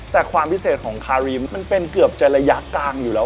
แต่ความพิเศษของคารีมมันเป็นเกือบจะระยะกลางอยู่แล้ว